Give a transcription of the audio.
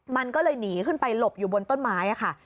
มันก็เลยหนีขึ้นไปหลบอยู่บนต้นไม้ค่ะ